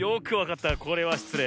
これはしつれい。